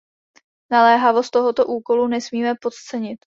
Naléhavost tohoto úkolu nesmíme podcenit.